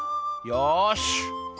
よし！